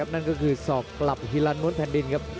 นั่นก็คือศอกกลับฮิลานม้วนแผ่นดินครับ